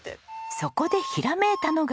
そこでひらめいたのが。